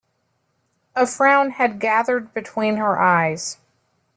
A frown had gathered between her eyes.